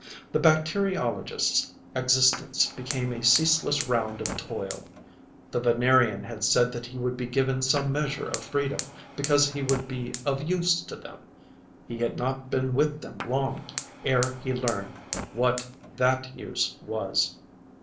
The bacteriologist's existence became a ceaseless round of toil. The Venerian had said that he would be given some measure of freedom, because he would be of use to them; he had not been with them long ere he learned what that use was.